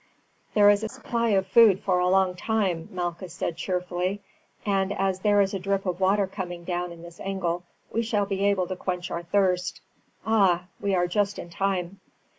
"There is a supply of food for a long time," Malchus said cheerfully; "and as there is a drip of water coming down in this angle we shall be able to quench our thirst. Ah! we are just in time."